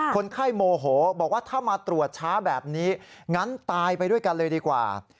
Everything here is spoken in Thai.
คนไข้โมโหบอกว่าถ้ามาตรวจช้าแบบนี้งั้นตายไปด้วยกันเลยดีกว่า